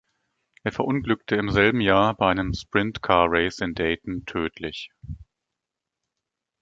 Er verunglückte im selben Jahr, bei einem Sprint-Car-Race in Dayton, tödlich.